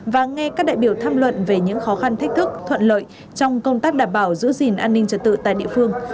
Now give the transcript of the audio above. và nghe các đại biểu tham luận về những khó khăn thách thức thuận lợi trong công tác đảm bảo giữ gìn an ninh trật tự tại địa phương